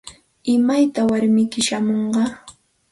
¿Imaytaq warmiyki chayamunqa?